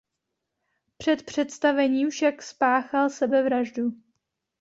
Před představením však spáchal sebevraždu.